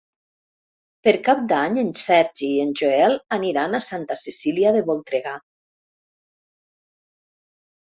Per Cap d'Any en Sergi i en Joel aniran a Santa Cecília de Voltregà.